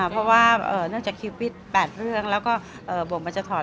เพราะว่าเนื่องจากคิวปิด๘เรื่องแล้วก็บทมันจะถอด